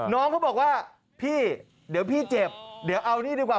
น้องเขาบอกว่าพี่เดี๋ยวพี่เจ็บเดี๋ยวเอานี่ดีกว่า